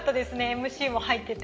ＭＣも入ってて。